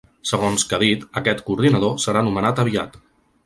Segons que ha dit, aquest coordinador serà nomenat aviat.